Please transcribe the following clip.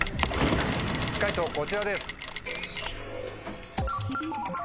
解答こちらです。